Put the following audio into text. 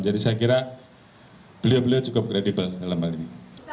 jadi saya kira beliau beliau cukup kredibel dalam hal ini